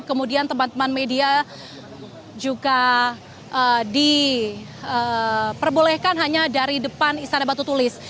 kemudian teman teman media juga diperbolehkan hanya dari depan istana batu tulis